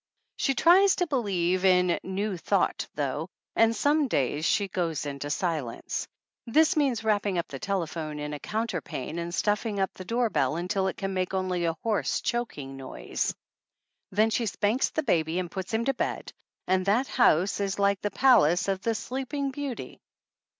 She tries to believe in New Thought though, and some days she "goes into the silence." This means wrapping the telephone up in a counter pane and stuffing up the door bell until it can make only a hoarse, choking noise. Then she spanks the baby and puts him to bed, and that house is like the palace of the Sleeping Beauty.